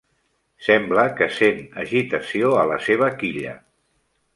Sembla que sent agitació a la seva quilla.